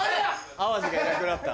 淡路がいなくなった。